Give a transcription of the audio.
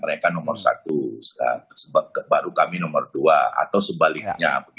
mereka nomor satu baru kami nomor dua atau sebaliknya